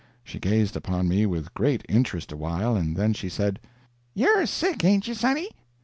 She gazed upon me with great interest awhile, and then she said: "You're sick, ain't you, sonny?"